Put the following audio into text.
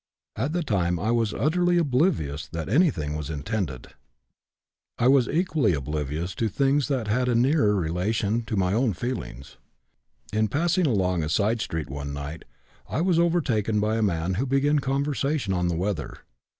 At the time I was utterly oblivious that anything was intended. "I was equally oblivious to things that had a nearer relation to my own feelings. In passing along a side street one night I was overtaken by a man who began conversation on the weather.